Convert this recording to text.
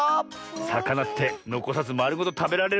さかなってのこさずまるごとたべられるんですね。